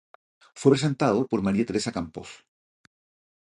Fue presentado por María Teresa Campos.